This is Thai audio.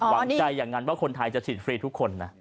หวังใจอย่างนั้นว่าคนไทยจะฉีดฟรีทุกคนนะ